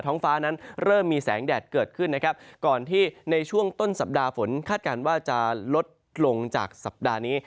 ฟ้านั้นเริ่มมีแสงแดดเกิดขึ้นนะครับก่อนที่ในช่วงต้นสัปดาห์ฝนคาดการณ์ว่าจะลดลงจากสัปดาห์นี้